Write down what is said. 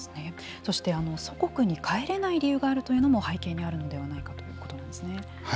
そして、祖国に帰れない理由があるというのも背景にあるのではないかということなんですね。